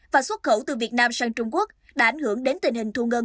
và xuất khẩu từ việt nam sang trung quốc đã ảnh hưởng đến tình hình thu ngân